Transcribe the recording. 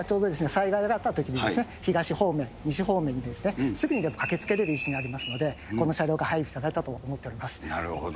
災害があったときにですね、東方面、西方面に、すぐにでも駆けつける位置にありますので、この車両が配備されたと思っておなるほど。